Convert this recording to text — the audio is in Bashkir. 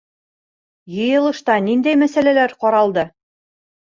Йыйылышта ниндәй мәсьәләләр ҡаралды?